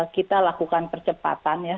kita lakukan percepatan ya